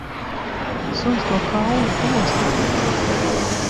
Suns to kaulu osta taču.